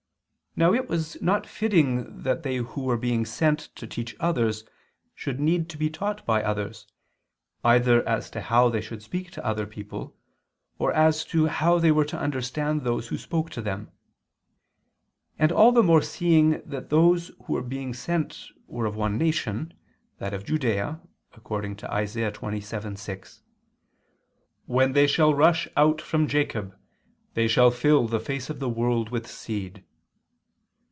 Now it was not fitting that they who were being sent to teach others should need to be taught by others, either as to how they should speak to other people, or as to how they were to understand those who spoke to them; and all the more seeing that those who were being sent were of one nation, that of Judea, according to Isa. 27:6, "When they shall rush out from Jacob [*Vulg.: 'When they shall rush in unto Jacob,' etc.] ... they shall fill the face of the world with seed."